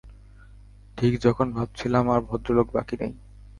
ঠিক যখন ভাবছিলাম আর ভদ্রলোক বাকি নেই।